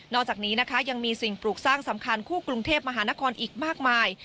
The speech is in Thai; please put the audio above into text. อกจากนี้นะคะยังมีสิ่งปลูกสร้างสำคัญคู่กรุงเทพมหานครอีกมากมาย